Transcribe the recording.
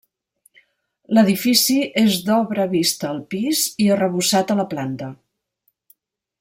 L'edifici és d'obra vista al pis i arrebossat a la planta.